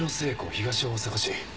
東大阪市。